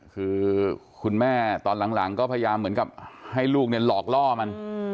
คือคุณแม่ตอนหลังก็พยายามเหมือนกับให้ลูกเนี่ยหลอกล่อมัน